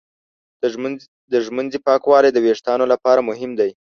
د ږمنځې پاکوالی د وېښتانو لپاره مهم دی.